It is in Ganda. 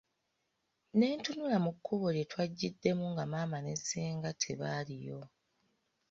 Ne ntunula mu kkubo lye twajjiddemu nga maama ne ssenga tebaliiyo.